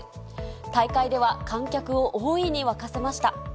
大会では、観客を大いに沸かせました。